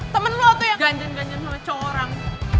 temen lo tuh yang ganjen ganjen sama cowok orang